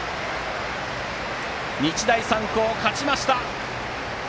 日大三高、勝ちました。